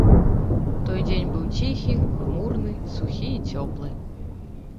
Той дзень быў ціхі, хмурны, сухі і цёплы.